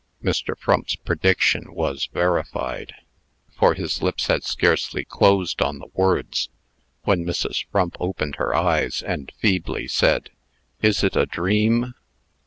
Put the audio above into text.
Mr. Frump's prediction was verified; for his lips had scarcely closed on the words, when Mrs. Frump opened her eyes, and feebly said, "Is it a dream?"